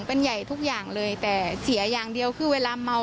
เป็นใหญ่ทุกอย่างเลยแต่เสียอย่างเดียวคือเวลาเมา